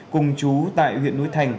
cùng chú tại huyện núi thành